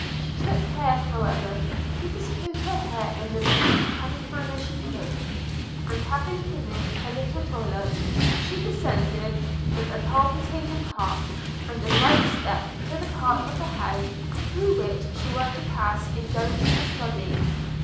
She took care, however, to dispose her hair in the most becoming manner she could; and having finished her little toilet, she descended with a palpitating heart and a light step to the part of the house through which she was to pass in going to the Study.